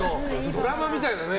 ドラマみたいだね。